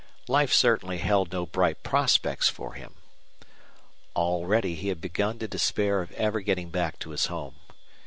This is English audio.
Life certainly held no bright prospects for him. Already he had begun to despair of ever getting back to his home.